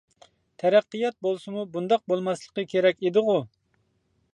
تەرەققىيات بولسىمۇ بۇنداق بولماسلىقى كېرەك ئىدىغۇ؟ !